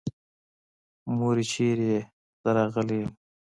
مورې چېرې يې؟ زه راغلی يم.